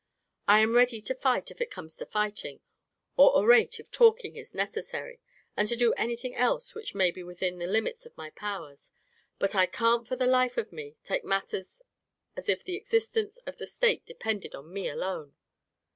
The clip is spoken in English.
I am ready to fight if it comes to fighting, to orate if talking is necessary, and to do anything else which may be within the limits of my powers, but I can't for the life of me take matters as if the existence of the state depended on me alone.